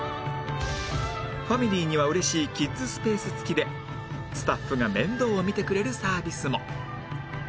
ファミリーには嬉しいキッズスペース付きでスタッフが面倒を見てくれるサービスも